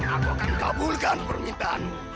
aku akan kabulkan permintaanmu